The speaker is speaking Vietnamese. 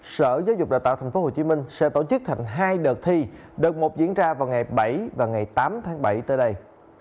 sở giáo dục đào tạo tp hcm sẽ tổ chức thành hai đợt thi đợt một diễn ra vào ngày bảy và ngày tám tháng bảy tới đây